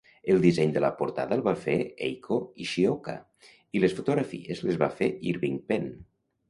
El disseny de la portada el va fer Eiko Ishioka i les fotografies les va fer Irving Penn.